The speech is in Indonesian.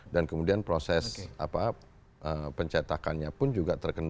dan kemudian proses pencetakannya pun juga terkenal